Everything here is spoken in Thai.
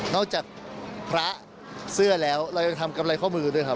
จากพระเสื้อแล้วเรายังทำกำไรข้อมือด้วยครับ